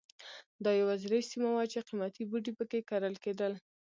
دا یوازینۍ سیمه وه چې قیمتي بوټي په کې کرل کېدل.